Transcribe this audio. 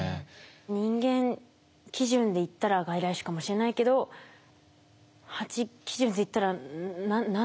人間基準でいったら外来種かもしれないけどハチ基準でいったら「何で？」